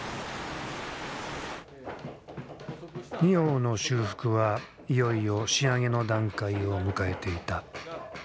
仁王の修復はいよいよ仕上げの段階を迎えていた。